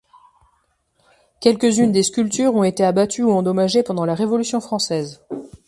Quelques-unes des sculptures ont été abattues ou endommagées pendant la Révolution française.